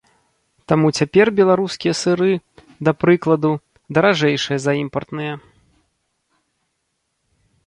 Таму цяпер беларускія сыры, да прыкладу, даражэйшыя за імпартныя.